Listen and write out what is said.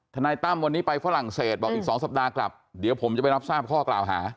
นายตั้มวันนี้ไปฝรั่งเศสบอกอีก๒สัปดาห์กลับเดี๋ยวผมจะไปรับทราบข้อกล่าวหา